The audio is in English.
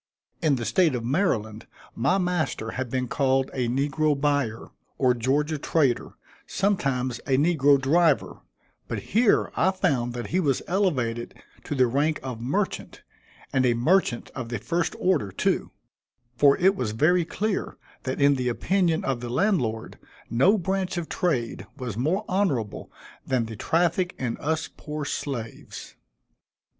In the State of Maryland, my master had been called a negro buyer, or Georgia trader, sometimes a negro driver; but here, I found that he was elevated to the rank of merchant, and a merchant of the first order too; for it was very clear that in the opinion of the landlord, no branch of trade was more honorable than the traffic in us poor slaves.